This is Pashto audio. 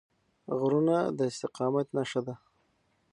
غرونه د استقامت نښه ده.